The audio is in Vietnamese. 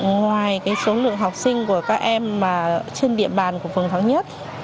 ngoài số lượng học sinh của các em trên địa bàn của phường thắng nhất